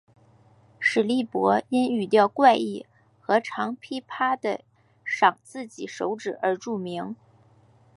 史力柏因语调怪异和常劈啪地晌自己手指而著名。